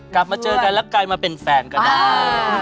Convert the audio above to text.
กลับมาเจอกันแล้วกลายมาเป็นแฟนก็ได้